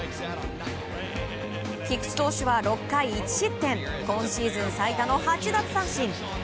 菊池投手は６回１失点今シーズン最多の８奪三振。